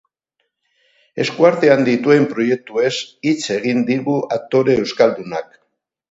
Eskuartean dituen proiektuez hitz egin digu aktore euskaldunak.